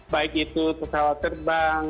baik itu pesawat terbang